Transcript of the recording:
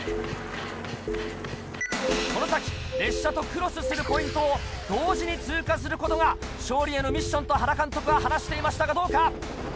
この先列車とクロスするポイントを同時に通過することが勝利へのミッションと原監督は話していましたがどうか？